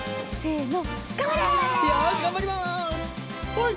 はい！